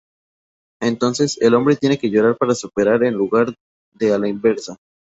Entonces, el hombre tiene que llorar para superar en lugar de a la inversa.